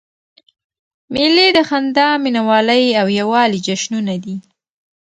مېلې د خندا، مینوالۍ او یووالي جشنونه دي.